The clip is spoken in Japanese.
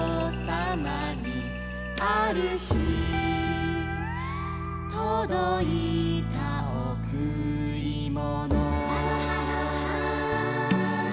「あるひとどいたおくりもの」「」